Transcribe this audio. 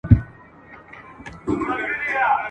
د زړه له درده مي دا غزل ولیکله ..